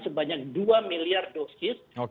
sebanyak dua miliar dosis